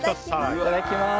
いただきます。